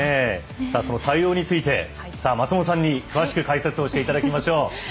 その対応について松本さんに詳しく解説をしていただきましょう。